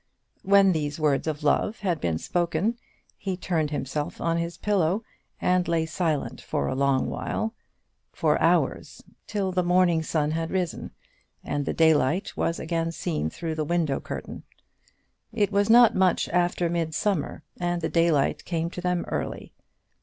When these words of love had been spoken, he turned himself on his pillow, and lay silent for a long while, for hours, till the morning sun had risen, and the daylight was again seen through the window curtain. It was not much after midsummer, and the daylight came to them early.